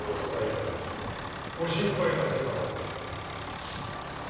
ご心配なさいませぬよう。